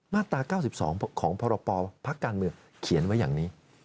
มาตรา๙๒ของพรปภักดิ์การเมืองเขียนไว้อย่างนี้